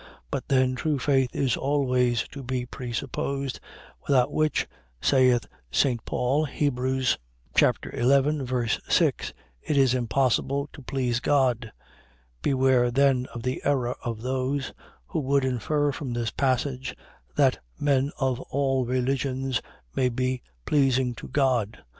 But then true faith is always to be presupposed, without which (saith St. Paul, Heb. 11. 6) it is impossible to please God. Beware then of the error of those, who would infer from this passage, that men of all religions may be pleasing to God.